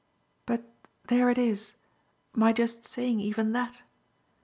"But there it is my just saying even that.